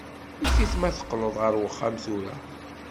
Yif-it ma teqqleḍ ar wexxam tura.